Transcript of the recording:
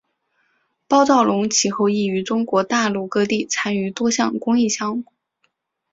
包兆龙其后亦于中国大陆各地参与多项公益项目。